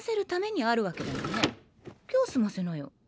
今日済ませなよ。